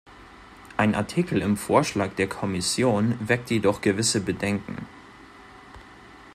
Ein Artikel im Vorschlag der Kommission weckt jedoch gewisse Bedenken.